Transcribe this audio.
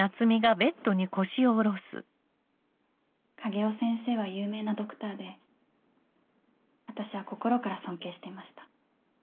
影尾先生は有名なドクターで私は心から尊敬していました。